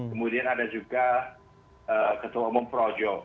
kemudian ada juga ketua umum projo